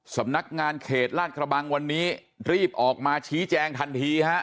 สำนักงานเขตลาดกระบังวันนี้รีบออกมาชี้แจงทันทีฮะ